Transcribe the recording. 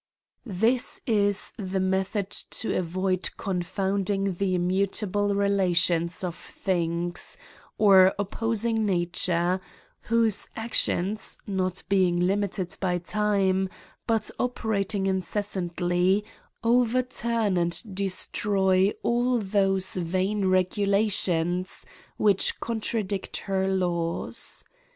This is the method to avoid confounding the immutable relations of things, or opposing nature, whose actions, not being limited by time, but operating incessantly, overturn and destroy all tliose vain regulations which contradict her laws.